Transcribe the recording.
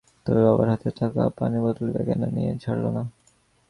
তবে বাবার হাতে থাকা পানির বোতলটি ব্যাগে না নিয়ে ছাড়ল না।